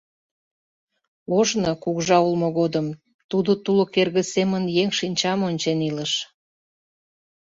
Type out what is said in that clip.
Ожно, кугыжа улмо годым, тудо тулык эрге семын еҥ шинчам ончен илыш.